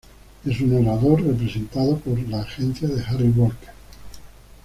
Es un orador, representado por Agencia de Harry Walter.